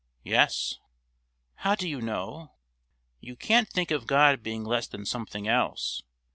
"Yes." "How do you know?" "You can't think of God being less than something else.